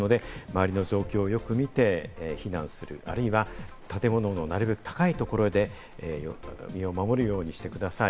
周りの状況をよく見て避難する、あるいは建物のなるべく高いところで身を守るようにしてください。